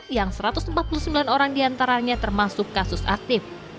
yang satu ratus empat puluh sembilan orang diantaranya termasuk kasus aktif